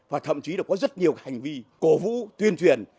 và thậm chí là có rất nhiều hành vi cổ vũ tuyên truyền